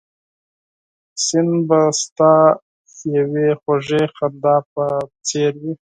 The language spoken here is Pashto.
سیند به ستا یوې خوږې خندا په څېر وي